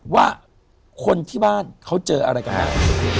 ว่าคนที่บ้านเขาเจออะไรกันบ้าง